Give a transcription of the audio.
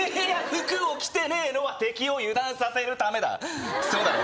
服を着てねえのは敵を油断させるためだそうだろ？